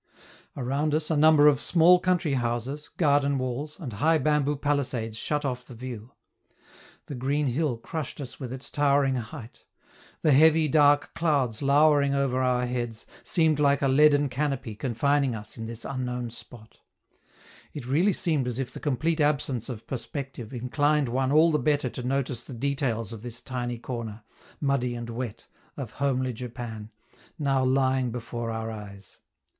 Around us, a number of small country houses, garden walls, and high bamboo palisades shut off the view. The green hill crushed us with its towering height; the heavy, dark clouds lowering over our heads seemed like a leaden canopy confining us in this unknown spot; it really seemed as if the complete absence of perspective inclined one all the better to notice the details of this tiny corner, muddy and wet, of homely Japan, now lying before our eyes.